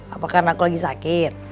apakah karena aku lagi sakit